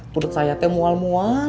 perut saya teh mual mual